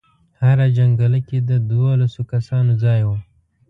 هره جنګله کې د دولسو کسانو ځای و.